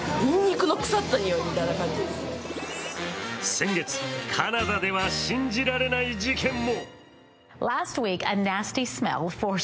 先月、カナダでは信じられない事件も。